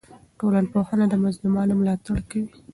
ټولنپوهنه د مظلومانو ملاتړ کوي.